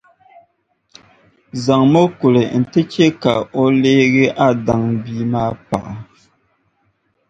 zaŋm’ o kuli nti chɛ ka o leeg’ a dan’ bia maa paɣa.